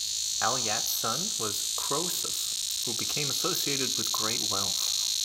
Alyattes' son was Croesus, who became associated with great wealth.